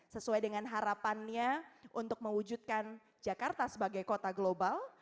sesuai dengan harapannya untuk mewujudkan jakarta sebagai kota global